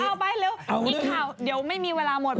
เอาไปเร็วอีกข่าวเดี๋ยวไม่มีเวลาหมด